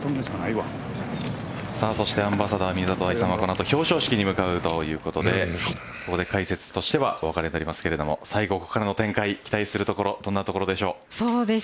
そして、アンバサダー宮里藍さんは、この後表彰式に向かうということでここで解説としてはお別れとなりますけれど最後、ここからの展開期待するところはどんなところでしょう。